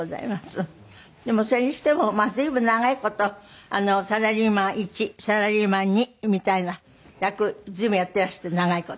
でもそれにしてもまあ随分長い事サラリーマン１サラリーマン２みたいな役随分やっていらして長い事。